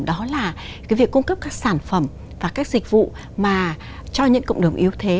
đó là cái việc cung cấp các sản phẩm và các dịch vụ mà cho những cộng đồng yếu thế